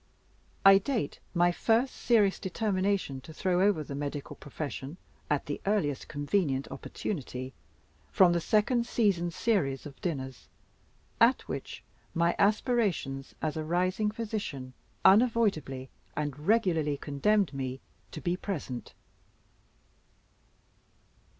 I date my first serious determination to throw over the medical profession at the earliest convenient opportunity, from the second season's series of dinners at which my aspirations, as a rising physician, unavoidably and regularly condemned me to be present.